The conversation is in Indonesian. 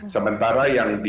sementara yang di